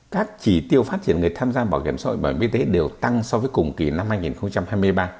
các chỉ tiêu phát triển người tham gia bảo hiểm xã hội bảo hiểm y tế đều tăng so với cùng kỳ năm hai nghìn hai mươi ba